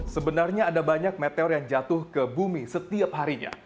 sebenarnya ada banyak meteor yang jatuh ke bumi setiap harinya